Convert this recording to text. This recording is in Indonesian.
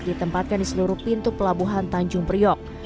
ditempatkan di seluruh pintu pelabuhan tanjung priok